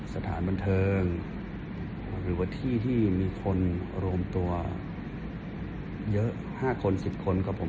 สถานบันเทิงหรือว่าที่ที่มีคนรวมตัวเยอะ๕คน๑๐คนครับผม